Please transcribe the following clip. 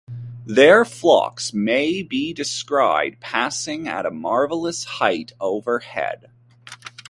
Their flocks may be descried passing at a marvelous height overhead.